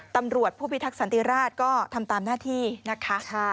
ตำรวจผู้พิทักษันติราชก็ทำตามหน้าที่นะคะ